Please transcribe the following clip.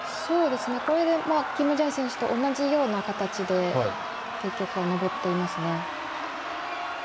これでキム・ジャイン選手と同じような形で登っていますね。